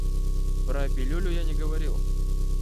Про пилюлю я не говорил.